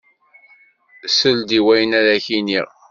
Sel-d i wayen ara k-iniɣ.